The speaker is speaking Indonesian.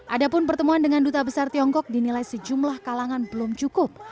adapun pertemuan dengan duta besar tiongkok dinilai sejumlah kalangan belum cukup